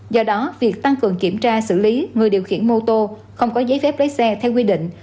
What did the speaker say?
do đó việc tăng cường kiểm tra xử lý người điều khiển mô tô không có giấy phép lấy xe theo quy định